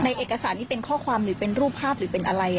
เอกสารนี้เป็นข้อความหรือเป็นรูปภาพหรือเป็นอะไร